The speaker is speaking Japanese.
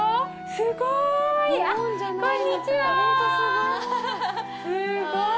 すごーい。